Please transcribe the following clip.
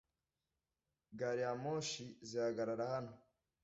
gari ya moshi zihagarara hano